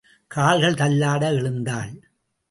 கால்கள் தள்ளாட எழுந்தாள்.